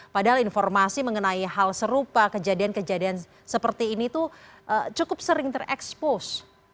padahal informasi mengenai hal serupa kejadian kejadian seperti ini tuh cukup sering terekspos